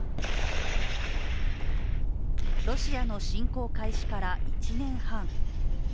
ロシアの侵攻開始から１年半。